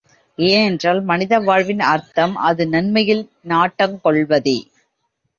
ஏனென்றால், மனித வாழ்வின் அர்த்தம் அது நன்மையில் நாட்டங் கொள்வதே.